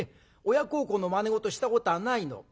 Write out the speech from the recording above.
親孝行のまね事をしたことはないの。